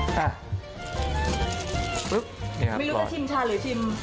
ไม่รู้จะชิมชาหรือชิม